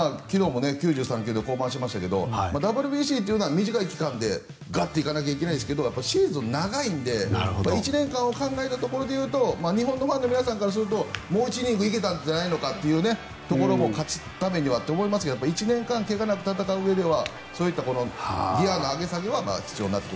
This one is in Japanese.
昨日も９３球で降板しましたがＷＢＣは短い期間でガッと行かないといけないですがシーズンは長いので１年を考えたところでいうと日本のファンからするともう１イニング行けたんじゃないかというところも勝つためにはあったと思いますが１年間、怪我なく戦うためにはギアの上げ下げは必要になってくる。